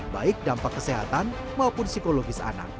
baik dampak kesehatan maupun psikologis anak